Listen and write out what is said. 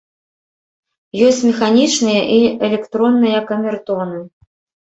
Ёсць механічныя і электронныя камертоны.